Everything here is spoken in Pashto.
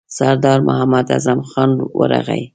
سردار محمد اعظم خان ورغی.